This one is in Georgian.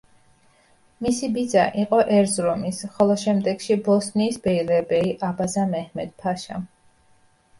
მისი ბიძა, იყო ერზურუმის, ხოლო შემდეგში ბოსნიის ბეილერბეი, აბაზა მეჰმედ-ფაშა.